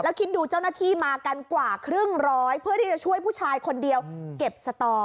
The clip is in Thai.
แล้วคิดดูเจ้าหน้าที่มากันกว่าครึ่งร้อยเพื่อที่จะช่วยผู้ชายคนเดียวเก็บสตอ